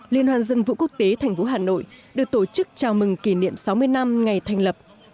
liên hoan dân vũ quốc tế thành phố hà nội được tổ chức chào mừng kỷ niệm sáu mươi năm ngày thành lập